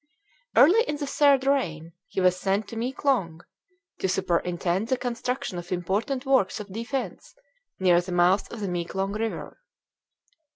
Early in the third reign he was sent to Meeklong to superintend the construction of important works of defence near the mouth of the Meeklong River.